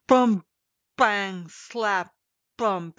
Bump! bang! slap! bump!